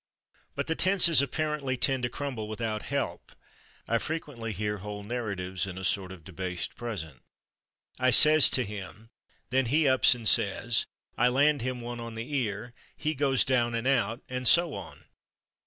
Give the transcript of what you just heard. But the tenses apparently tend to crumble without help. I frequently hear whole narratives in a sort of debased present: "I /says/ to him.... Then he /ups/ and /says/.... I /land/ him one on the ear.... He /goes/ down and out, ..." and so on.